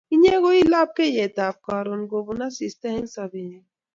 Inye ko i u lapkeyet ap karon kopun asista eng' sobennyu